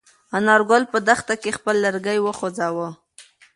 انارګل په دښته کې خپل لرګی وخوځاوه.